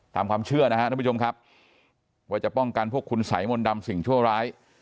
ตามความเชื่อนะฮะท่านผู้ชมครับว่าจะป้องกันพวกคุณสายมนต์ดำสิ่งชั่วร้าย